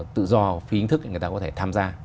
tự do phi hình thức người ta có thể tham gia